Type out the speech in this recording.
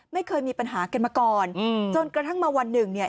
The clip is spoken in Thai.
ไม่เคยมีปัญหากันมาก่อนอืมจนกระทั่งมาวันหนึ่งเนี่ย